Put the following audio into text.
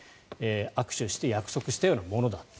握手して約束したようなものだと。